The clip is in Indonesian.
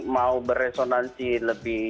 mau berresonansi lebih